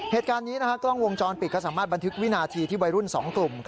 เหตุการณ์นี้กล้องวงจรปิดก็สามารถบันทึกวินาทีที่วัยรุ่น๒กลุ่ม